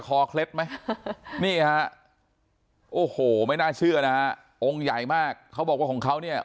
เคล็ดไหมนี่ฮะโอ้โหไม่น่าเชื่อนะฮะองค์ใหญ่มากเขาบอกว่าของเขาเนี่ย